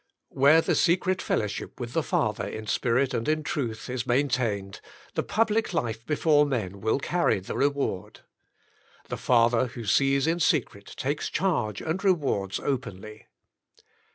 Where the secret fellowship with the Father in spirit and in truth is maintained, the 1 8 The Inner Chamber public life before men will carry the reward. The Father who sees in secret takes charge and rewards openly.